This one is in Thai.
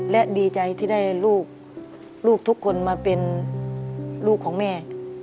และดีใจที่ได้ลูกทุกคนมาเป็นลูกของแม่